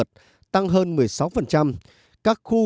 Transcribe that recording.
về văn hóa văn hóa